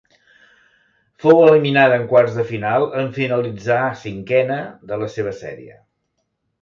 Fou eliminada en quarts de final en finalitzar cinquena de la seva sèrie.